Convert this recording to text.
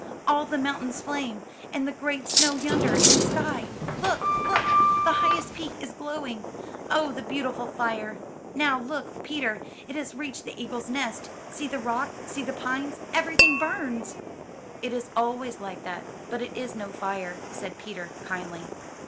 All the mountains flame, and the great snow yonder, and the sky. Look, look! the highest peak is glowing. Oh, the beautiful fire ! Now look, Peter, it has reached the eagle's nest. See the rock! see the pines! everything burns!" 'It is always like that, but it is no fire," said Peter kindly.